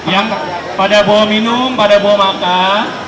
yang pada bawa minum pada bawa makan